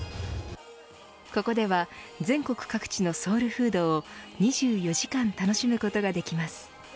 ここでは全国各地のソウルフードを２４時間楽しむことができます。